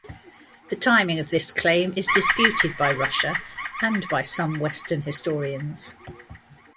The timing of this claim is disputed by Russia and by some western historians.